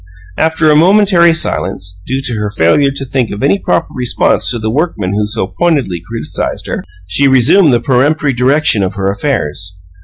After a momentary silence, due to her failure to think of any proper response to the workman who so pointedly criticized her, she resumed the peremptory direction of her affairs.